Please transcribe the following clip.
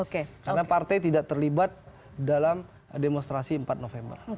karena partai tidak terlibat dalam demonstrasi empat november